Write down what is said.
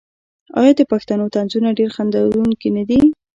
آیا د پښتنو طنزونه ډیر خندونکي نه دي؟